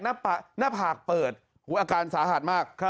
หน้าหน้าผากเปิดอุ๊ยอาการสาหัสมากครับ